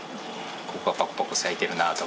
ここはパクパク咲いてるなとかね